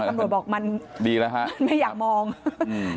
ตำรวจบอกมันดีแล้วฮะไม่อยากมองอืม